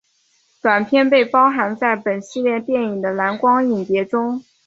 短片被包含在本系列电影的蓝光影碟中。